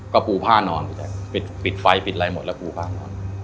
ก็ปูผ้านอนพี่แจ๊คปิดไฟปิดอะไรหมดแล้วปูผ้านอน